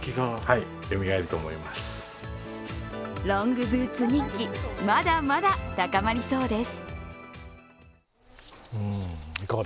ロングブーツ人気、まだまだ高まりそうです。